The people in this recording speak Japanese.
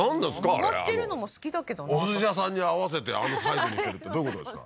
あれ曲がってるのも好きだけどな私おすし屋さんに合わせてあのサイズにしてるってどういうことですか？